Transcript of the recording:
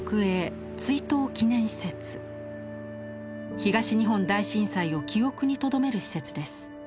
東日本大震災を記憶にとどめる施設です。